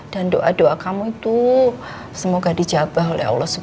dan doa doa kamu itu semoga dijabah oleh allah swt